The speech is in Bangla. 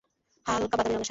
হালকা বাদামী রঙের গাড়ি।